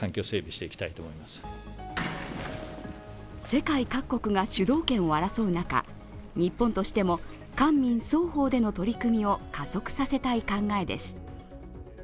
世界各国が主導権を争う中日本としても官民双方での取り組みを加速させたい考えです。